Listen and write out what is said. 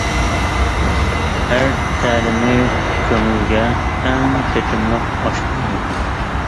ھەر تەلىمى كۆڭۈلگە، ئەڭ تېتىملىق ئاش بولدى.